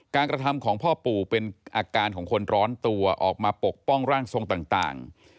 กระทำของพ่อปู่เป็นอาการของคนร้อนตัวออกมาปกป้องร่างทรงต่าง